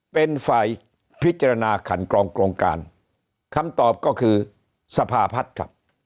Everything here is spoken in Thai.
เป็นฝ่ายพิจารณาขันกรองโครงการคำตอบก็คือสภาพัฒน์ครับ